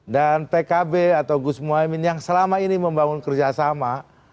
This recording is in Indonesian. dan pkb atau gus muhaymin yang selama ini membangun kerjasama